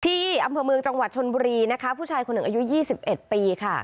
ที่อำเภอเมืองจังหวัดชนบุรีนะคะผู้ชายคนหนึ่งอายุ๒๑ปีค่ะ